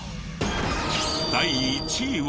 第１位は。